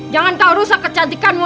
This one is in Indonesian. jangan kau rusak kecantikanmu